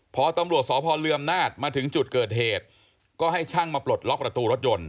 พอตำรวจสพเรืออำนาจมาถึงจุดเกิดเหตุก็ให้ช่างมาปลดล็อกประตูรถยนต์